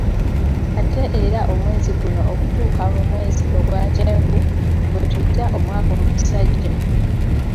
Ate era omwezi guno okutuuka mu mwezi ogwa Ntenvu gwe tuyita omwaka omusajja.